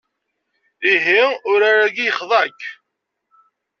Ihi urar-ayi yexḍa-k?